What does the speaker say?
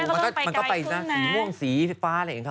มันก็ไปสีม่วงสีฟ้าอะไรอย่างเงี้ย